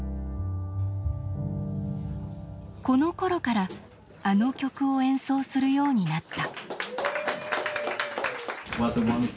このころからあの曲を演奏するようになった。